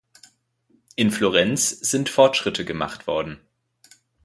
In Florenz sind Fortschritte gemacht worden.